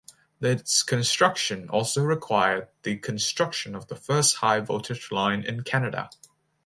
Its construction also required the construction of the first high voltage line in Canada.